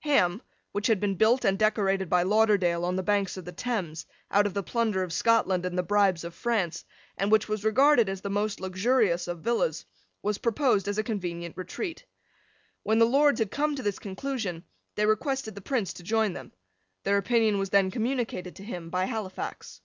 Ham, which had been built and decorated by Lauderdale, on the banks of the Thames, out of the plunder of Scotland and the bribes of France, and which was regarded as the most luxurious of villas, was proposed as a convenient retreat. When the Lords had come to this conclusion, they requested the Prince to join them. Their opinion was then communicated to him, by Halifax.